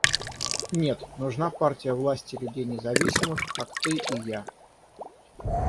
Нет, нужна партия власти людей независимых, как ты и я.